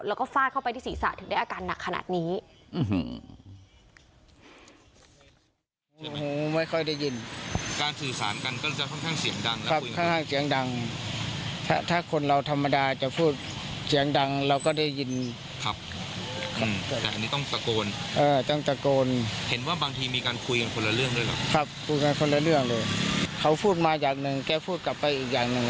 แล้วก็ฟาดเข้าไปที่ศีรษะถึงได้อาการหนักขนาดนี้